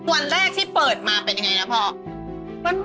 วันแรกที่เปิดมาเป็นยังไงนะพ่อ